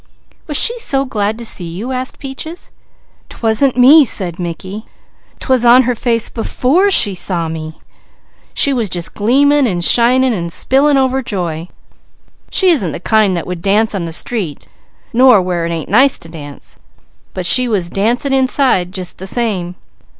"Was she so glad to see you?" asked Peaches. "'Twasn't me!" said Mickey. "'Twas on her face before she saw me. She was just gleaming, and shining, and spilling over joy! She isn't the kind that would dance on the street, nor where it ain't nice to dance; but she was dancing inside just the same.